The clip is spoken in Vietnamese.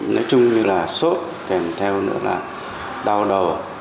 nói chung như là sốt kèm theo nữa là đau đầu